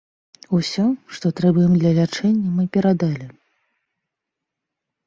Усё, што трэба ім для лячэння, мы перадалі.